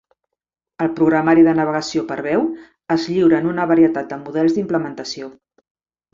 El programari de navegació per veu es lliura en una varietat de models d'implementació.